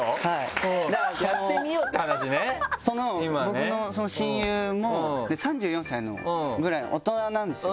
僕のその親友も３４歳ぐらいの大人なんですよ。